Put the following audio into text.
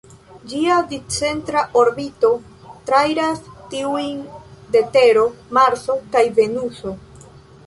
Ĝia discentra orbito trairas tiujn de Tero, Marso kaj Venuso.